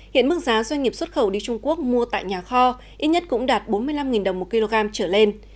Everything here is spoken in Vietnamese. hiện mức giá doanh nghiệp xuất khẩu đi trung quốc mua tại nhà kho ít nhất cũng đạt bốn mươi năm đồng một kg trở lên